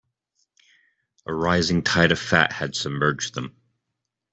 A rising tide of fat had submerged them.